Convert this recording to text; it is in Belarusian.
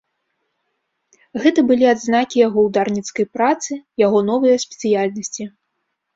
Гэта былі адзнакі яго ўдарніцкай працы, яго новыя спецыяльнасці.